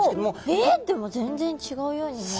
えでも全然違うように見える。